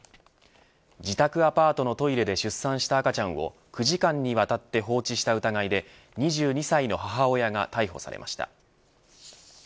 自宅アパートのトイレで出産した赤ちゃんを９時間にわたって放置した疑いで２２歳の母親が逮捕されました。